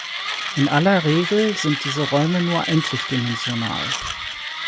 In aller Regel sind diese Räume nur endlichdimensional.